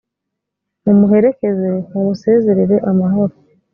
mumuherekeze mumusezerere amahoro .